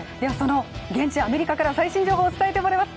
現地アメリカから最新情報を伝えてもらいます。